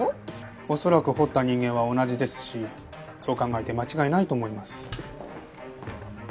恐らく彫った人間は同じですしそう考えて間違いないと思います。